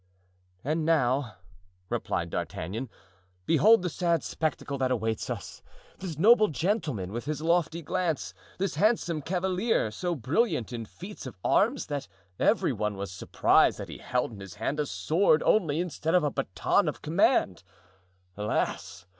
"And now," replied D'Artagnan, "behold the sad spectacle that awaits us. This noble gentleman with his lofty glance, this handsome cavalier, so brilliant in feats of arms that every one was surprised that he held in his hand a sword only instead of a baton of command! Alas!